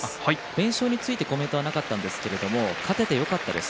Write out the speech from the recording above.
連勝についてコメントはなかったんですが勝ててよかったです。